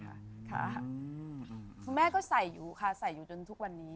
คุณแม่ก็ใส่อยู่ค่ะใส่อยู่จนทุกวันนี้